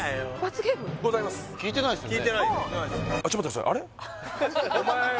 聞いてないっすよね